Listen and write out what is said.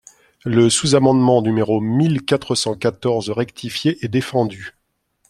Le sous-amendement numéro mille quatre-vingt-quatorze rectifié est défendu.